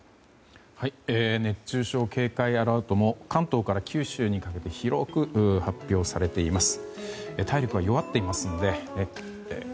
熱中症警戒アラートも関東から九州にかけて広く発表されています。